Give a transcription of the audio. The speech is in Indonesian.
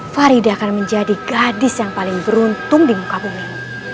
farida akan menjadi gadis yang paling beruntung di muka bumi